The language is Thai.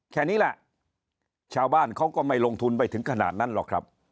แค่นี้แหละชาวบ้านเขาก็ไม่ลงทุนไปถึงขนาดนั้นหรอกครับ